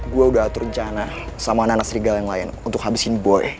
gue udah atur rencana sama nana serigala yang lain untuk habisin boi